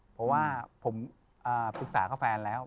เพราะว่าผมปรึกษากับแฟนแล้ว